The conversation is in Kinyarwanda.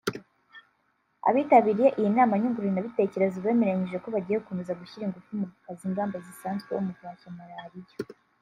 Abitabiriye iyi nama nyunguranabitekerezo bemeranyije ko bagiye gukomeza gushyira ingufu mu gukaza ingamba zisanzweho mu guhashya Malariya